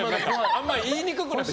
あんまり言いにくくなっちゃう。